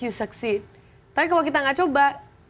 you succeed tapi kalau kita nggak coba